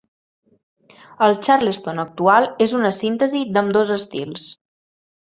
El xarleston actual és una síntesi d'ambdós estils.